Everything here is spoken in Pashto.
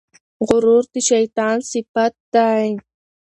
غرور د شیطان صفت دی.